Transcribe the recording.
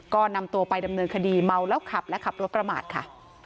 ก็นำตัวไปดำเนินคดีเมาแล้วขับและขับรถประมาทค่ะ